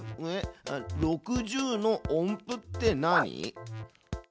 「６０の音符」って何？